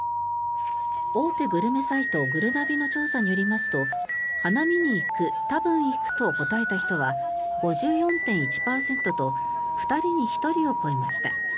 大手グルメサイトぐるなびの調査によりますと花見に行く多分行くと答えた人は５４．１％と２人に１人を超えました。